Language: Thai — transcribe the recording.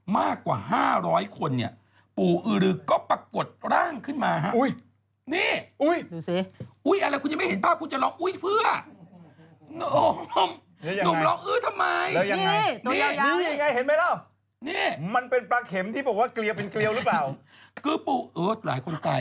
มากกว่า๕๐๐คนเนี่ยปู่อื้อรือก็ปรากฏร่างขึ้นมาฮะ